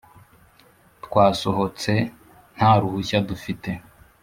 twasohotse nta ruhushya dufite